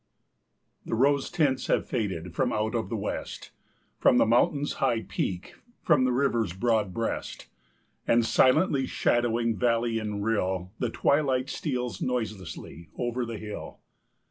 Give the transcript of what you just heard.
The rose tints have faded from out of the West, From the Mountain's high peak, from the river's broad breast. And, silently shadowing valley and rill, The twilight steals noiselessly over the hill.